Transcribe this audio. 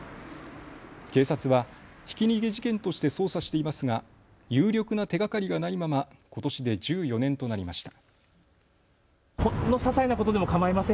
警察はひき逃げ事件として捜査していますが有力な手がかりがないままことしで１４年となりました。